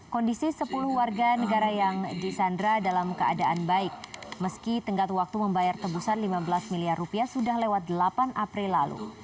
kondisi sepuluh warga negara yang disandra dalam keadaan baik meski tenggat waktu membayar tebusan lima belas miliar rupiah sudah lewat delapan april lalu